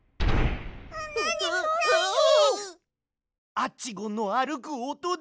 アッチゴンのあるくおとだ。